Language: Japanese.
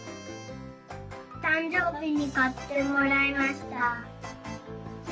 たんじょうびにかってもらいました。